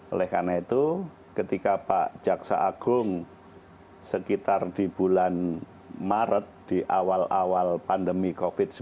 oleh karena itu ketika pak jaksa agung sekitar di bulan maret di awal awal pandemi covid sembilan belas